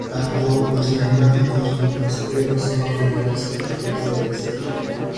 Tanto los neumáticos como los frenos son opcionales para el resto de la serie.